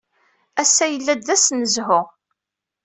Ass-a yella-d d ass n zzhu.